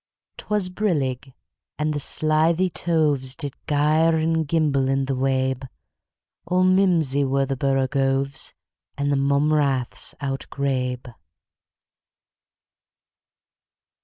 'T was brillig, and the slithy tovesDid gyre and gimble in the wabe; All mimsy were the borogoves, And the mome raths outgrabe.